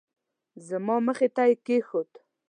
زما مخې ته یې کېښود.